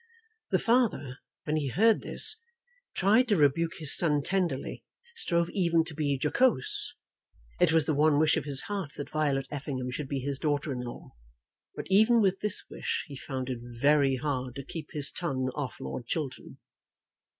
The father, when he heard this, tried to rebuke his son tenderly, strove even to be jocose. It was the one wish of his heart that Violet Effingham should be his daughter in law. But even with this wish he found it very hard to keep his tongue off Lord Chiltern.